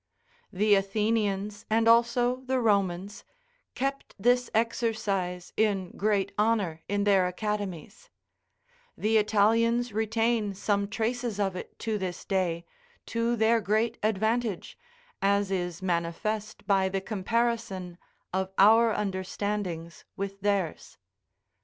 The Athenians, and also the Romans, kept this exercise in great honour in their academies; the Italians retain some traces of it to this day, to their great advantage, as is manifest by the comparison of our understandings with theirs.